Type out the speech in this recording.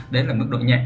đấy là mức độ nhẹ